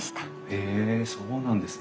へえそうなんですね。